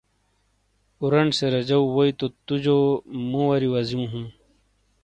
اورانڈ سے رجو ووئی تُو جو مُو واری وزیو ہوں۔